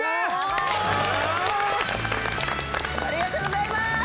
ありがとうございます！